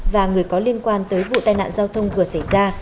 và người có liên quan tới vụ tai nạn giao thông vừa xảy ra